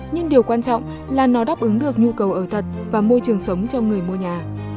nhưng điều quan trọng là nó đáp ứng được nhu cầu ở thật và môi trường sống cho người mua nhà